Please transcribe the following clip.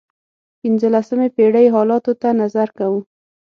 پنځلسمې پېړۍ حالاتو ته نظر کوو.